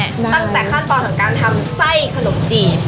ตั้งแต่ขั้นตอนของการทำไส้ขนมจีบ